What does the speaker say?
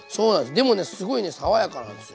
でもねすごい爽やかなんですよ。